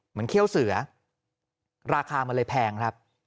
เขี้ยวเสือราคามันเลยแพงครับ